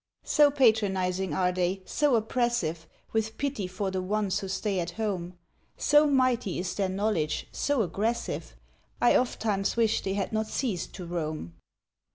So patronizing are they, so oppressive, With pity for the ones who stay at home, So mighty is their knowledge so aggressive, I ofttimes wish they had not ceased to roam.